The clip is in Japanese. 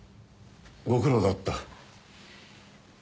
ご苦労だった。